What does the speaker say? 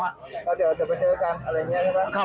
เราเดี๋ยวจะไปเจอกันอะไรนี้ครับ